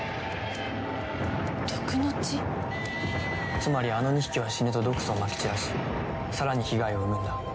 つまりあの２匹は死ぬと毒素をまき散らし更に被害を生むんだ。